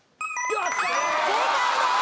正解です！